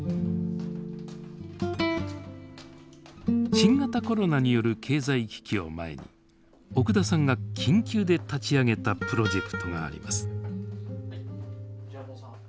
新型コロナによる経済危機を前に奥田さんが緊急で立ち上げたプロジェクトがあります。